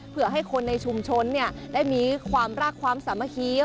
เพื่อให้คนในชุมชนได้มีความรักความสามัคคี